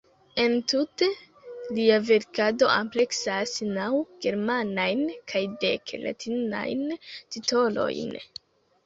Entute lia verkado ampleksas naŭ germanajn kaj dek latinajn titolojn.